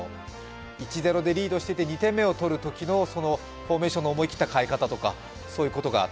１−０でリードしてて、２点目を取るときのフォーメーションの思い切った変え方などですね。